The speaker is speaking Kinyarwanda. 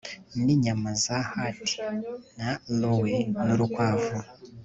Ninyama za hart na roe nurukwavu